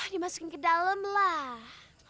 dimasukin ke dalam lah